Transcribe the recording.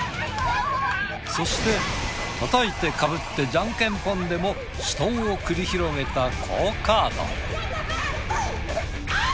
そして叩いてかぶってジャンケンポンでも死闘を繰り広げた好カード。